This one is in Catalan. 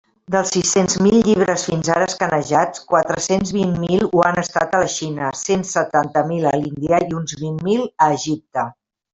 Dels sis-cents mil llibres fins ara escanejats, quatre-cents vint mil ho han estat a la Xina, cent setanta mil a l'Índia i uns vint mil a Egipte.